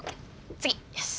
次よし。